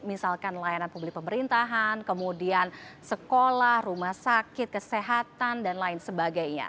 misalkan layanan publik pemerintahan kemudian sekolah rumah sakit kesehatan dan lain sebagainya